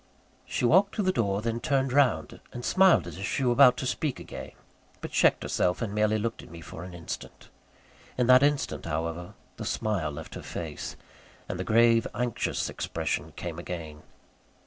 She walked to the door, then turned round, and smiled as if she were about to speak again; but checked herself, and merely looked at me for an instant. In that instant, however, the smile left her face, and the grave, anxious expression came again.